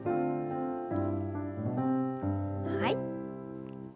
はい。